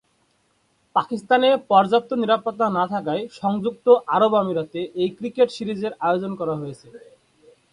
পাকিস্তানে পর্যাপ্ত নিরাপত্তা না থাকায় সংযুক্ত আরব আমিরাতে এ ক্রিকেট সিরিজের আয়োজন করা হয়েছে।